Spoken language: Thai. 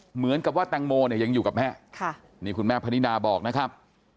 เหมือนกับว่าแตงโมเนี่ยยังอยู่กับแม่นี่คุณแม่พนิดาบอกนะครับ